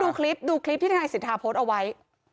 ดูคลิปดูคลิปที่ทนายสิทธาโพสต์เอาไว้